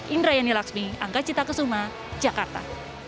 indra yani lakshmi angga cita kesuma jakarta